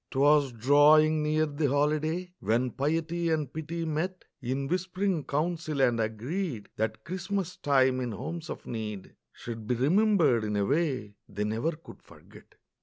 'Twas drawing near the holiday, When piety and pity met In whisp'ring council, and agreed That Christmas time, in homes of need, Should be remembered in a way They never could forget.